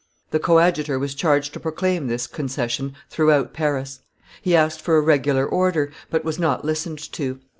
The coadjutor was charged to proclaim this concession throughout Paris; he asked for a regular order, but was not listened to.